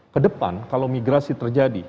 kedepan kalau migrasi terjadi